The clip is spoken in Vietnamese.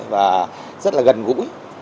và rất là gần gũi